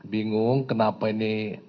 bingung kenapa ini